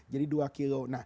jadi dua kilo